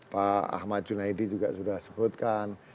pak ahmad junaidi juga sudah sebutkan